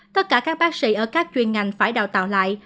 tất cả các bác sĩ ở các chuyên ngành phải đào tạo lại